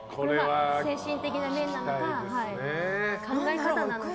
精神的な面なのか、考え方なのか。